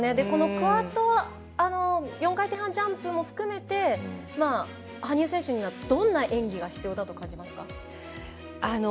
このクワッドは４回転半ジャンプも含めて羽生選手にはどんな演技が必要だと感じますか。